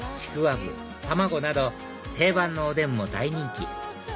ぶ卵など定番のおでんも大人気